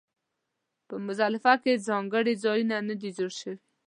په مزدلفه کې ځانګړي ځایونه نه دي جوړ شوي.